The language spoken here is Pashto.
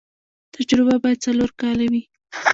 تجربه باید څلور کاله وي.